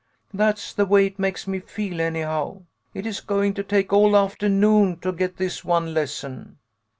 " That's the way it makes me feel, anyhow. It is going to take all afternoon to get this one lesson."